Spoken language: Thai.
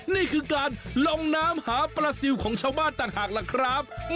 นี่คือการลงน้ำหาปลาซิลของชาวบ้านต่างหากล่ะครับ